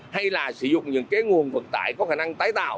hay là sử dụng những nguồn vận tải có khả năng tái tạo